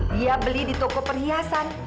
dia beli di toko perhiasan